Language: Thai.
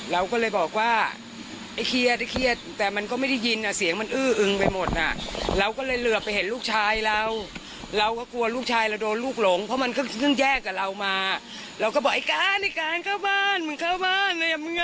แล้วก็บอกแบบนี้ส่วนมาให้ก่อนก็บอกฉันอยากว่างว่านายอากาศเก็บรถอยู่ด้วย